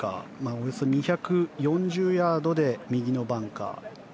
およそ２４０ヤードで右のバンカー。